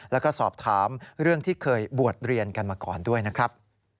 แล้วก็สอบถามเรื่องที่เคยบวชเรียนกันมาก่อนด้วยนะครับ